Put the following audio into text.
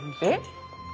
えっ？